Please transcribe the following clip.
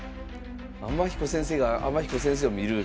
天彦先生が天彦先生を見る。